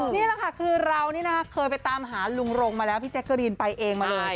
นี่แหละค่ะคือเรานี่นะคะเคยไปตามหาลุงรงมาแล้วพี่แจ๊กกะรีนไปเองมาเลย